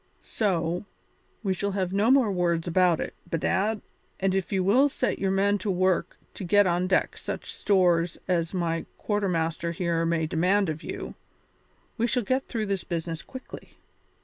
So, we shall have no more words about it, bedad, and if you will set your men to work to get on deck such stores as my quarter master here may demand of you, we shall get through this business quickly.